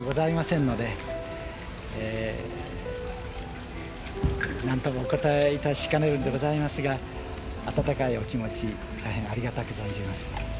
まだ正式な決定ではございませんので、なんともお答えいたしかねるんでございますが、温かいお気持ち、大変ありがたく存じます。